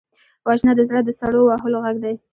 وژنه د زړه د سړو وهلو غږ دی